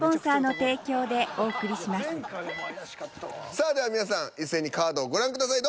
さあでは皆さん一斉にカードをご覧ください。